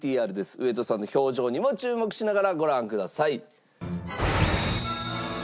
上戸さんの表情にも注目しながらご覧ください。